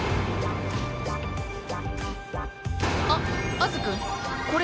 アアズくんこれ。